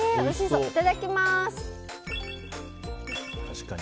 いただきます。